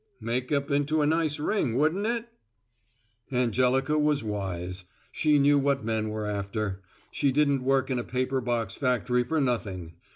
"Make up into a nice ring, wouldn't it?" Angelica was wise. She knew what men were after. She didn't work in a paper box factory for nothing.